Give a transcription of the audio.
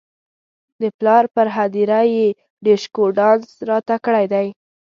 د پلار پر هدیره یې ډیشکو ډانس راته کړی دی.